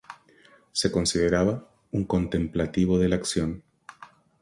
Se consideraba "un contemplativo en la acción".